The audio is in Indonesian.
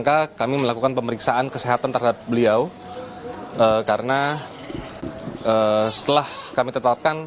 kami masih melakukan pemeriksaan kesehatan terhadap beliau karena setelah kami tetapkan